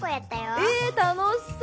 え楽しそう！